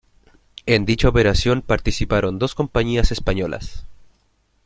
En dicha operación participaron dos compañías españolas.